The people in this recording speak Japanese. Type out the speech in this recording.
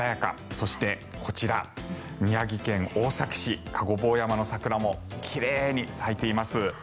そして、こちら宮城県大崎市、加護坊山の桜も奇麗に咲いています。